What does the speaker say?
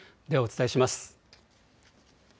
では、お伝えします。